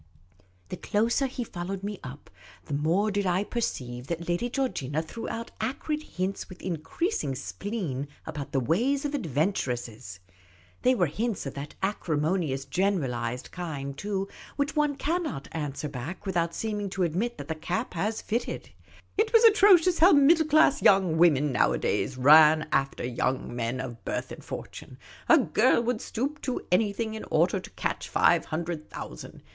The closer he followed me up, the more did I perceive that Lady Georgina threw out acrid hints with increasing spleen about the ways of adventuresses. They were hints of that acrimonious generalised kind, too, which one cannot answer back without seeming to admit that the cap has fitted. It was atrocious how middle class young women nowadays ran after young men of birth and fortune. A girl would stoop to anything in order to catch five hundred thou sand.